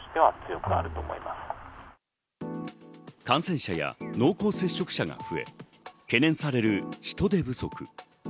感染者や濃厚接触者が増え、懸念される人手不足。